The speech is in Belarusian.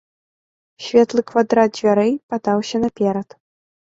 Светлы квадрат дзвярэй падаўся наперад.